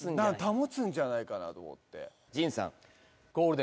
保つんじゃないかなと。